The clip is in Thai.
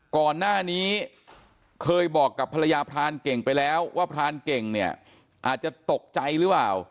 ก่อนหน้านี้เคยบอกกับภรรยาพรานเก่งไปแล้วว่าพรานเก่งเนี่ยอาจจะตกใจหรือเปล่า